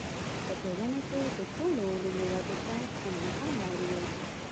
په ټولنه کې د ټولو علومو ودې ته هم مهاله اړ یو.